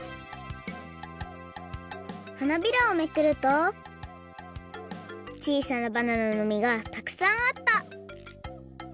花びらをめくるとちいさなバナナの実がたくさんあった！